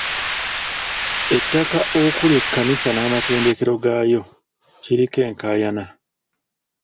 Ettaka okuli kkanisa n'amatendekero gaayo kiriko enkaayana.